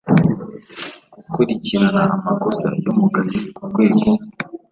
gukurikirana amakosa yo mu kazi ku rwego